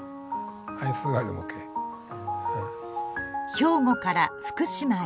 兵庫から福島へ